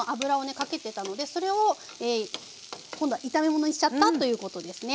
かけてたのでそれを今度は炒めものにしちゃったということですね。